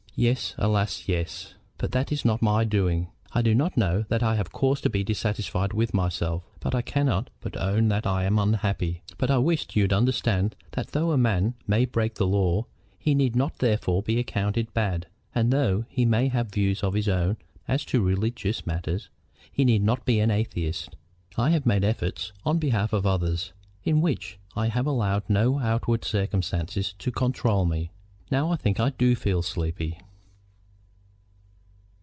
"Yes, alas, yes! But that is not my doing. I do not know that I have cause to be dissatisfied with myself, but I cannot but own that I am unhappy. But I wished you to understand that though a man may break the law, he need not therefore be accounted bad, and though he may have views of his own as to religious matters, he need not be an atheist. I have made efforts on behalf of others, in which I have allowed no outward circumstances to control me. Now I think I do feel sleepy."